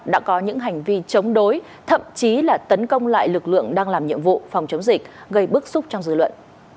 đã có những hành vi chống đối thậm chí là tấn công lại lực lượng đang làm nhiệm vụ phòng chống dịch gây bức xúc trong dư luận